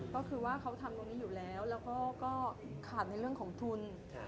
ก็คือว่าเขาทำตรงนี้อยู่แล้วแล้วก็ขาดในเรื่องของทุน